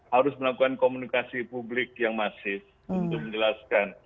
harus melakukan komunikasi publik yang masif untuk menjelaskan